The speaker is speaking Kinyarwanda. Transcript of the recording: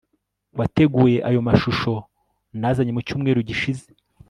Wateguye ayo mashusho nazanye mu cyumweru gishize